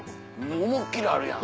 思いっ切りあるやん。